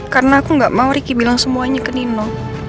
karena aku gak mau ricky bilang semuanya ke nino